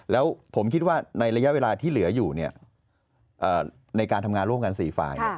แล้วผมคิดว่าในระยะเวลาที่เหลืออยู่ในการทำงานร่วมกัน๔ฝ่าย